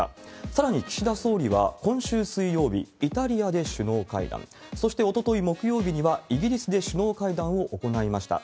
さらに、岸田総理は今週水曜日、イタリアで首脳会談、そしておととい木曜日にはイギリスで首脳会談を行いました。